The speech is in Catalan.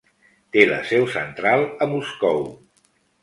Té la seu central a Moscou.